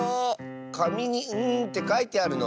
かみに「ん」ってかいてあるの？